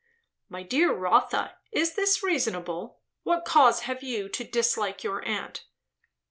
"My dear Rotha, is this reasonable? What cause have you to dislike your aunt?"